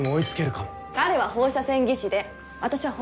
彼は放射線技師で私は放射線科医です。